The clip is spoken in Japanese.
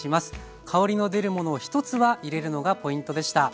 香りの出るものを１つは入れるのがポイントでした。